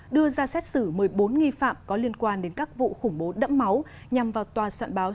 đưa ra xét xử một mươi bốn nghi phạm có liên quan đến các vụ khủng bố đẫm máu nhằm vào tòa soạn báo